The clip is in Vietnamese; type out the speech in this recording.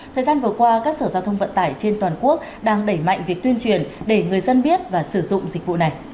thời gian vừa qua các sở giao thông vận tải trên toàn quốc đang đẩy mạnh việc tuyên truyền để người dân biết và sử dụng dịch vụ này